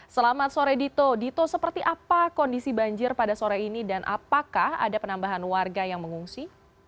selamat sore dito dito seperti apa kondisi banjir pada sore ini dan apakah ada penambahan warga yang mengungsi